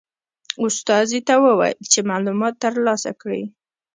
استازي ته وویل چې معلومات ترلاسه کړي.